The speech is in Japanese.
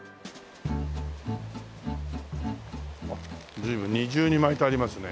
随分二重に巻いてありますね。